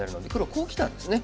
こうきたんですね。